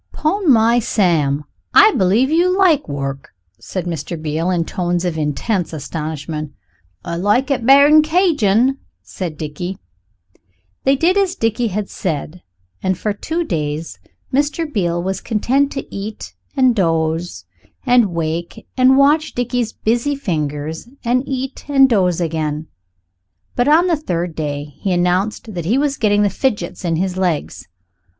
"'Pon my sam, I believe you like work," said Mr. Beale in tones of intense astonishment. "I like it better'n cadgin'," said Dickie. They did as Dickie had said, and for two days Mr. Beale was content to eat and doze and wake and watch Dickie's busy fingers and eat and doze again. But on the third day he announced that he was getting the fidgets in his legs.